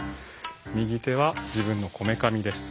右手は自分のこめかみです。